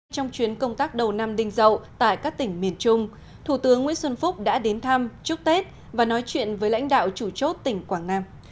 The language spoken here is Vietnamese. trong chuyến công tác đầu năm đinh dậu tại các tỉnh miền trung thủ tướng nguyễn xuân phúc đã đến thăm chúc tết và nói chuyện với lãnh đạo chủ chốt tỉnh quảng nam